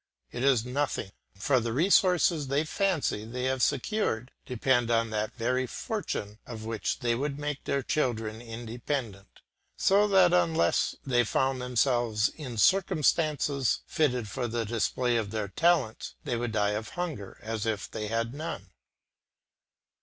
It is nothing, for the resources they fancy they have secured depend on that very fortune of which they would make their children independent; so that unless they found themselves in circumstances fitted for the display of their talents, they would die of hunger as if they had none.